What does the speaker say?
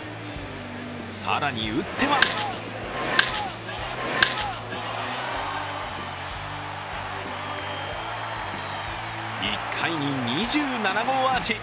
更に打っては１回に２７号アーチ。